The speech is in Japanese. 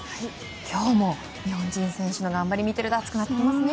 今日も日本人選手の頑張りを見ていると熱くなってきますね！